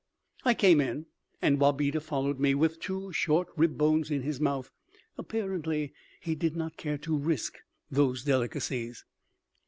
I came in and Wabeda followed me with two short rib bones in his mouth. Apparently he did not care to risk those delicacies.